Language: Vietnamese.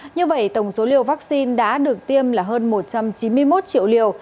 như vậy tổng số liều vaccine đã được tiêm là hơn một trăm chín mươi một triệu liều